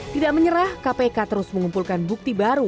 tidak menyerah kpk terus mengumpulkan bukti baru